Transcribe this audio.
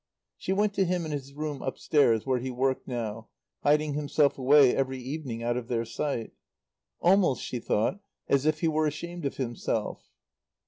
She went to him in his room upstairs where he worked now, hiding himself away every evening out of their sight. "Almost," she thought, "as if he were ashamed of himself."